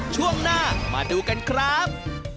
ช่วงหน้ามาดูกันครับ